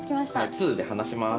ツーで離します